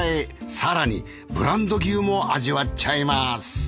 更にブランド牛も味わっちゃいます。